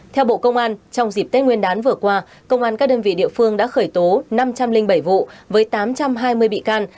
theo bộ công an trong dịp tết nguyên đán vừa qua công an các đơn vị địa phương đã khởi tố năm trăm linh bảy vụ với tám trăm hai mươi bị can